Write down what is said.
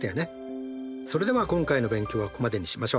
それでは今回の勉強はここまでにしましょう。